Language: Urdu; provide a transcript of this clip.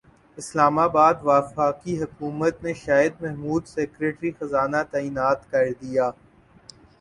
اسلام اباد وفاقی حکومت نے شاہد محمود سیکریٹری خزانہ تعینات کردیا